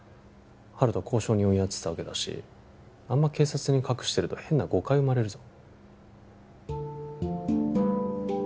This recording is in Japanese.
温人は交渉人をやってたわけだしあんま警察に隠してると変な誤解生まれるぞ